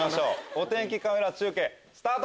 お天気カメラ中継スタート！